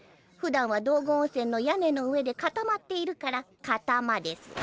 ふだんは道後温泉の屋根の上で固まっているから「カタマ」です。